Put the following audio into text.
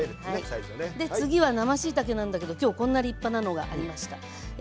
次は生しいたけなんだけど今日はこんな立派なのがありました。